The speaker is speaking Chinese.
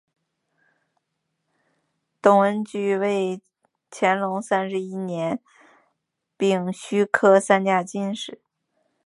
董文驹为乾隆三十一年丙戌科三甲进士。